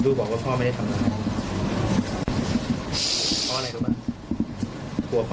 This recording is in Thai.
ลูกบอกว่าพ่อไม่ได้ทำร้าย